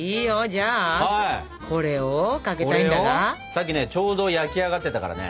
さっきねちょうど焼き上がってたからね。